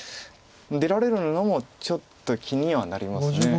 出られるのもちょっと気にはなります。